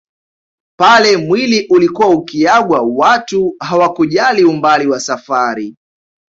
Pale mwili ulikuwa ukiagwa watu hawakujali umbali wa safari